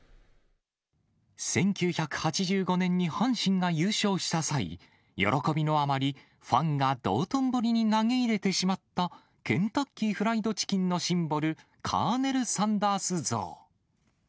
１９８５年に阪神が優勝した際、喜びのあまりファンが道頓堀に投げ入れてしまった、ケンタッキー・フライド・チキンのシンボル、カーネル・サンダース像。